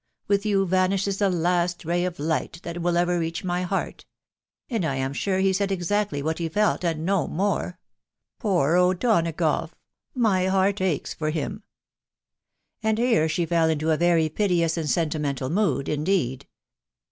With you vanishes the last ray of fight that will ever reach my heart !'.... And I am sure he said exactly what he felt, and no more. ... ?oot O'Donagough !.*••• My heart aches for him\" ■•••'. THE WIDOW BAHNABY. 4M And here she fell into a very piteous and sentimental mood indeed.